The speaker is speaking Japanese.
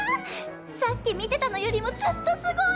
さっき見てたのよりもずっとすごい！